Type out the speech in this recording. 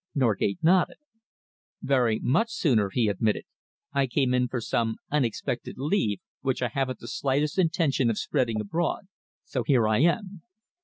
Norgate nodded. "Very much sooner," he admitted. "I came in for some unexpected leave, which I haven't the slightest intention of spending abroad, so here I am."